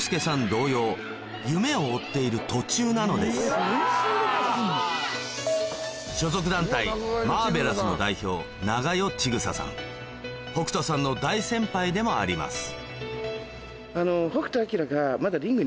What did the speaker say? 同様夢を追っている途中なのです所属団体北斗さんの大先輩でもあります